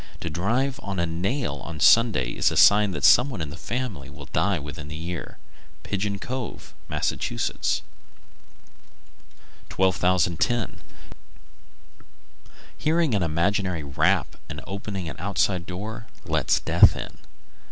To drive a nail on Sunday is a sign that some one in the family will die within the year. Pigeon Cove, Mass. 1210. Hearing an imaginary rap and opening an outside door lets death in.